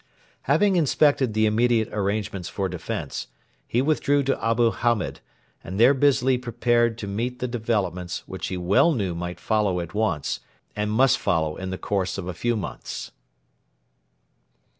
Having inspected the immediate arrangements for defence, he withdrew to Abu Hamed, and there busily prepared to meet the developments which he well knew might follow at once, and must follow in the course of a few months.